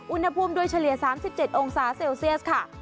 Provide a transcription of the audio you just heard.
อุณหภูมิโดยเฉลี่ย๓๗องศาเซลเซียสค่ะ